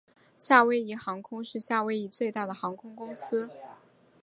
夏威夷航空是夏威夷最大的航空公司。